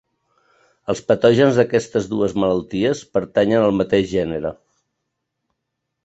Els patògens d'aquestes dues malalties pertanyen al mateix gènere.